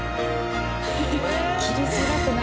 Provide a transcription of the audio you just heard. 切りづらくない？